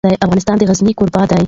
افغانستان د غزني کوربه دی.